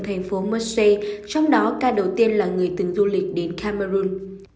thành phố mersé trong đó ca đầu tiên là người từng du lịch đến cameroon